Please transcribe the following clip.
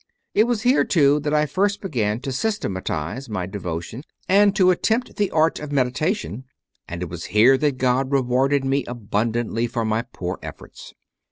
It was here, too, that I first began to systematize my devotion and to attempt the art of meditation, and it was here that God rewarded me abundantly for my poor efforts.